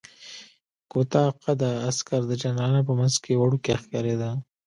کوتاه قده عسکر د جنرالانو په منځ کې وړوکی ښکارېده.